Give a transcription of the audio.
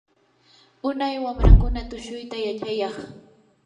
unay wamrakuna tushuyta yachayaq.